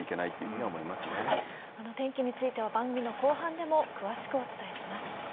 この天気については、番組の後半でも詳しくお伝えします。